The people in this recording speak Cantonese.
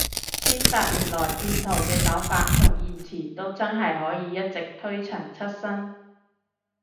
千百年來，騙徒嘅手法同言辭都真係可以一直推陳出新